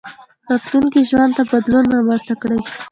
راتلونکي ژوند ته بدلون رامنځته کړئ.